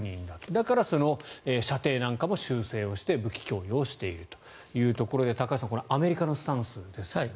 だから、射程なんかも修正をして武器供与をしているということで高橋さんアメリカのスタンスですが。